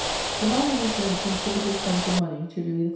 The Maloese lent considerable sums of money to Louis XIV.